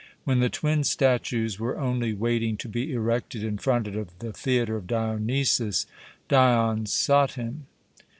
When the twin statues were only waiting to be erected in front of the Theatre of Dionysus, Dion sought him.